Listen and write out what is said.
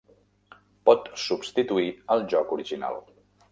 Pot substituir el joc original.